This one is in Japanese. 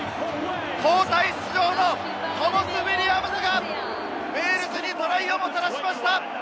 交代出場のトモス・ウィリアムズがウェールズにトライをもたらしました！